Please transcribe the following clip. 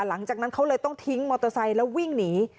หลังจากนั้นเขาเลยต้องทิ้งมอเตอร์ไซค์แล้ววิ่งหนี